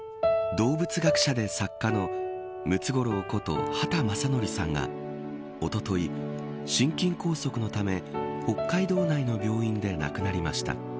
動物学者で作家のムツゴロウこと畑正憲さんがおととい、心筋梗塞のため北海道内の病院で亡くなりました。